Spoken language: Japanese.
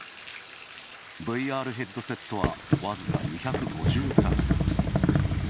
ＶＲヘッドセットはわずか２５０グラム。